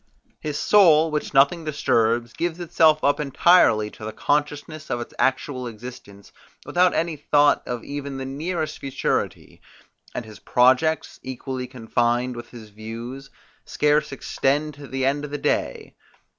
His soul, which nothing disturbs, gives itself up entirely to the consciousness of its actual existence, without any thought of even the nearest futurity; and his projects, equally confined with his views, scarce extend to the end of the day.